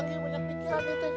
nggak usah mikir capek